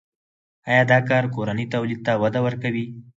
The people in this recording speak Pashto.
آیا دا کار کورني تولید ته وده ورکوي؟